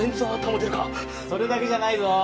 それだけじゃないぞ。